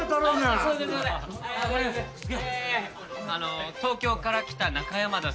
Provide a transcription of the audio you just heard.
あの東京から来た中山田さんです。